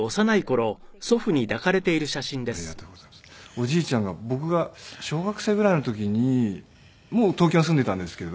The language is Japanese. おじいちゃんが僕が小学生ぐらいの時にもう東京に住んでいたんですけど。